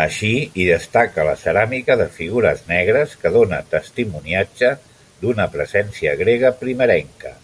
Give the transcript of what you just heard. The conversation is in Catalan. Així, hi destaca la ceràmica de figures negres, que dóna testimoniatge d'una presència grega primerenca.